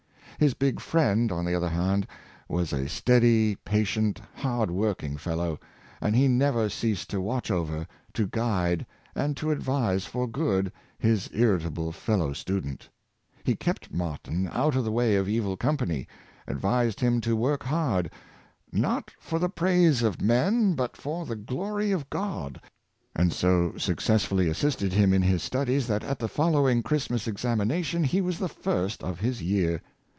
His big friend, on the other hand, was a steady, patient, hard working fellow; and he never ceased to watch over, to guide, and to advise for good his irritable fellow student. He kept Martyn out of the way of evil company, advised him to work hard, " not for the praise of men, but for the glory of God; and so successfully assisted him in his studies, that at the following Christmas examination he was the first of his year.